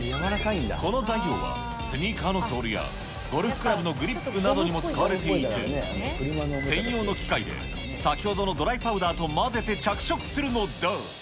この材料は、スニーカーのソールやゴルフクラブのグリップなどにも使われていて、専用の機械で先ほどのドライパウダーと混ぜて着色するのだ。